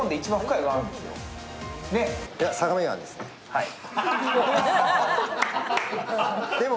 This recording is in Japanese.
はい。